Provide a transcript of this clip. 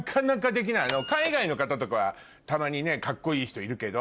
海外の方とかはたまにカッコいい人いるけど。